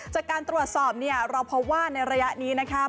จากการตรวจสอบเนี่ยเราพบว่าในระยะนี้นะคะ